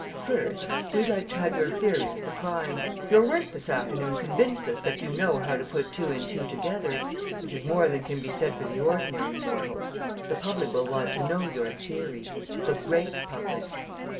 "First, we'd like to have your theory of the crime. Your work this afternoon convinced us that you know how to put two and two together, which is more than can be said for the ordinary mortal. The public will want to know your theory the great public."